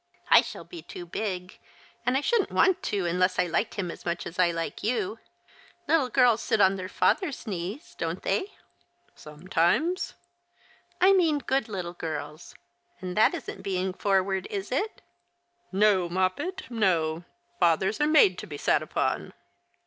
" I shall be too big ; and I shouldn't want to unless I liked him as much as I like you. Little girls sit on their father's knees, don't they ?"" Sometimes." " I mean good little girls. And that isn't being forward, is it ?" "No, Moppet, no. Fathers are made to be sat upon